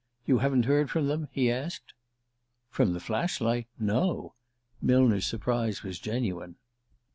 "You haven't heard from them?" he asked. "From the Flashlight? No." Millner's surprise was genuine.